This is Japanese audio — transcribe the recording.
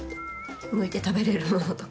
むいて食べれるものとか。